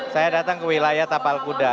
saya datang ke wilayah tapal kuda